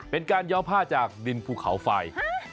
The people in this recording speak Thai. เป็นการย้อมผ้าจากดินภูเขาไฟ